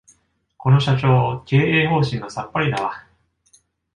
この社長、経営方針がさっぱりだわ